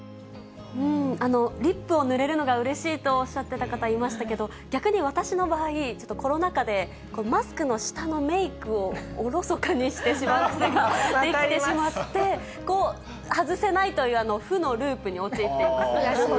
リップを塗れるのがうれしいとおっしゃってた方、いましたけど、逆に私の場合、ちょっとコロナ禍で、マスクの下のメークをおろそかにしてしまう癖ができてしまって、外せないという負のループに陥っています。